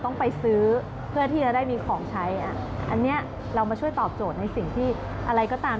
ในสิ่งที่อะไรก็ตาม